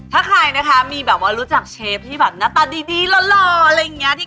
ถ้าใครนะคะมีแบบว่ารู้จักเชฟที่แบบหน้าตาดีหล่ออะไรอย่างนี้